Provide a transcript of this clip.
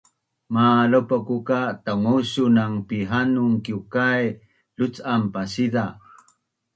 malopaku ka tangusang pihanun kiukai lucan pasiza’